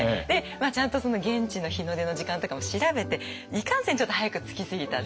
ちゃんと現地の日の出の時間とかも調べていかんせんちょっと早く着きすぎたって。